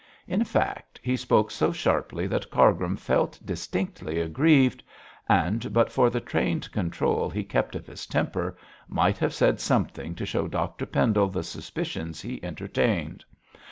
In fact, he spoke so sharply that Cargrim felt distinctly aggrieved; and but for the trained control he kept of his temper, might have said something to show Dr Pendle the suspicions he entertained.